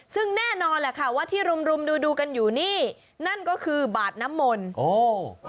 ซึ่งแน่นอนแหละค่ะว่าที่รุมรุมดูดูกันอยู่นี่นั่นก็คือบาดน้ำมนต์โอ้